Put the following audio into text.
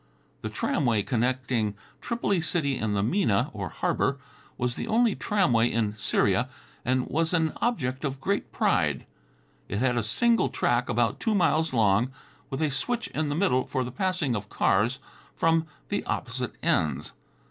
The tramway connecting Tripoli City and the Mina, or harbor, was the only tramway in Syria and was an object of great pride. It had a single track about two miles long, with a switch in the middle for the passing of cars from the opposite ends.